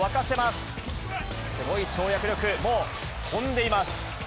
すごい跳躍力、もう飛んでいます。